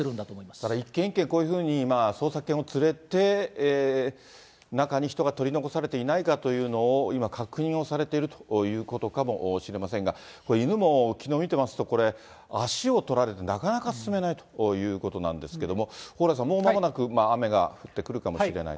ただ一軒一軒こういうふうに捜索犬を連れて、中に人が取り残されていないかというのを、今確認をされているということかもしれませんが、これ、犬もきのう見てますと、これ、足を取られて、なかなか進めということなんですけども、蓬莱さん、もうまもなく雨が降ってくるかもしれないと。